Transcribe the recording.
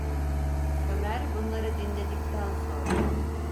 Ömer bunları dinledikten sonra: